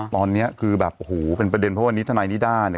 ตอนนี้คือแบบโอ้โหเป็นประเด็นเพราะวันนี้ทนายนิด้าเนี่ย